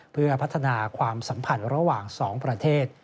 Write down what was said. เพื่อพัฒนาความสัมพันธ์ระหว่าง๒ประเทศ